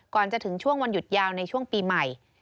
ก่อนจะถึงช่วงวันหยุดยาวในช่วงปีใหม่